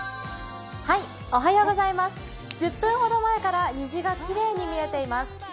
１０分ほど前から虹がきれいに見えています。